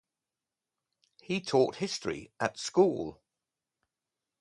He taught history at school.